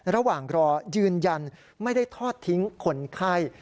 ระหว่างรอยืนยันไม่ได้ทอดทิ้งคนไข้